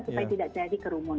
supaya tidak jadi kerumunan